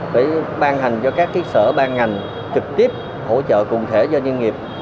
phải ban hành cho các sở ban ngành trực tiếp hỗ trợ cụ thể cho doanh nghiệp